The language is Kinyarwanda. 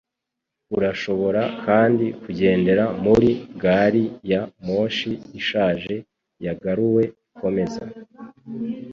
Urashobora kandi kugendera muri gari ya moshi ishaje, yagaruwe, ikomeza.